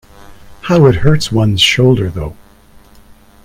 How it hurts one’s shoulder, though.